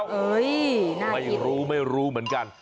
เอ้ยน่าไม่รู้ไม่รู้เหมือนกัน